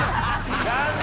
残念！